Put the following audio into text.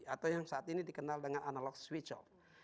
atau yang saat ini dikenal dengan analog switch off